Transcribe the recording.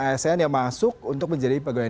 asn yang masuk untuk menjadi pegawai